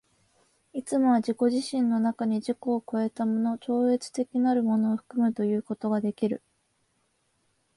いつも自己自身の中に自己を越えたもの、超越的なるものを含むということができる。